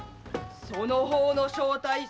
その方の正体